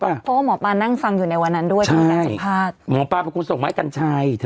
เพราะว่าหมอปลานั่งฟังอยู่ในวันนั้นด้วยใช่หมอปลาบอกคุณส่งมาให้กันใช่